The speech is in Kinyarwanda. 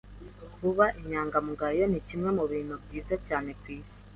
Kuba inyangamugayo nikimwe mubintu byiza cyane kwisi.